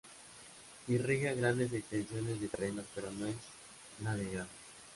Irriga grandes extensiones de terreno pero no es navegable.